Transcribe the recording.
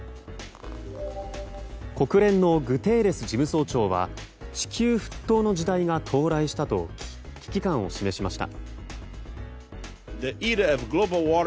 国連のグテーレス事務総長は地球沸騰の時代が到来したと危機感を示しました。